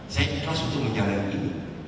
saya ikhlas untuk menjalankan ini